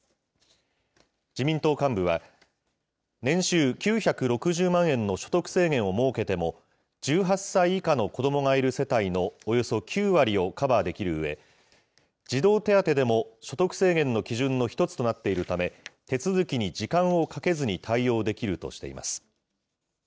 自民党幹部は、年収９６０万円の所得制限を設けても、１８歳以下の子どもがいる世帯のおよそ９割をカバーできるうえ、児童手当でも、所得制限の基準の一つとなっているため、手続きに時間をかけずに対応できるとしています。